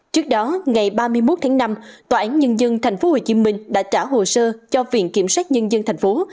trước đó ngày ba mươi một tháng năm tòa án nhân dân thành phố hồ chí minh đã trả hồ sơ cho viện kiểm soát nhân dân thành phố